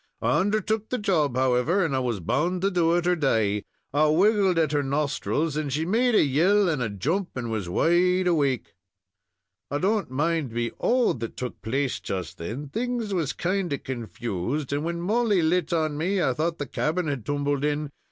I'd undertook the job, however, and I was bound to do it, or die. So I wiggled at her nostrils, and she made a yell and a jump, and was wide awake. I don't mind me all that took place just then. Things was kind of confused, and, when Molly lit on me, I thought the cabin had tumbled in.